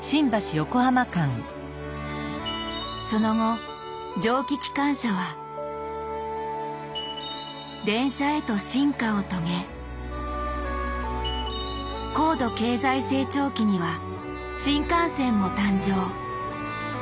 その後蒸気機関車は電車へと進化を遂げ高度経済成長期には新幹線も誕生！